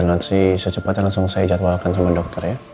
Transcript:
dan not sih secepatnya langsung saya jadwalkan sama dokter ya